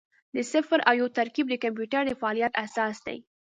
د صفر او یو ترکیب د کمپیوټر د فعالیت اساس دی.